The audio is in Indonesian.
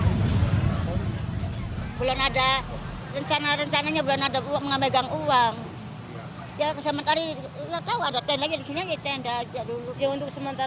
alhamdulillah maka saya tuh gak mikirin luar